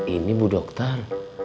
ini bu dokter